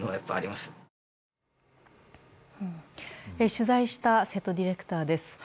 取材した瀬戸ディレクターです。